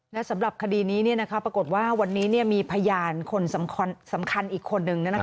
และสำหรับคดีนี้ปรากฏว่าวันนี้มีพยานคนสำคัญอีกคนนึง